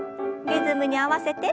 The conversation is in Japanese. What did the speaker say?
リズムに合わせて。